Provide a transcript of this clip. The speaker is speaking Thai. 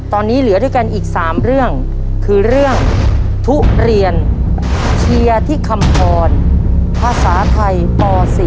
ตอนนี้เหลือด้วยกันอีก๓เรื่องคือเรื่องทุเรียนเชียร์ที่คำพรภาษาไทยป๔